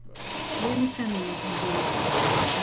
Бо яны самі ў іх згубіліся.